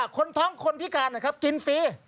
คนท้องคนพิการนะครับกินฟรี